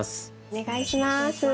お願いします。